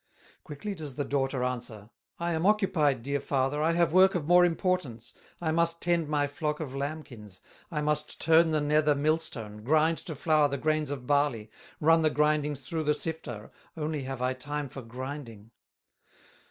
Quickly does the daughter answer: "I am occupied, dear father, I have work of more importance, I must tend my flock of lambkins, I must turn the nether millstone, Grind to flour the grains of barley, Run the grindings through the sifter, Only have I time for grinding."